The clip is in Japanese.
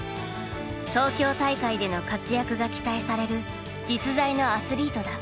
東京大会での活躍が期待される実在のアスリートだ。